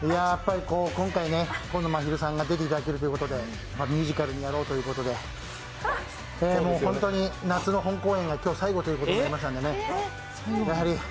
今回、紺野まひるさんが出ていただけるということでミュージカルにやろうということでもうホントに夏の本公演が今日最後ということになりましたので。